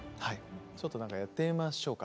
ちょっと何かやってみましょうか。